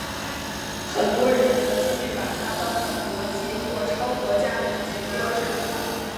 很多人则继续把它当成国际或超国家团结的标志。